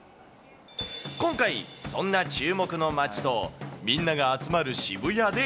今回、そんな注目の街とみんなが集まる渋谷で。